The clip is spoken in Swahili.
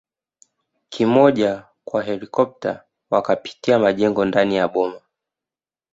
kimoja kwa helikopta wakapitia majengo ndani ya boma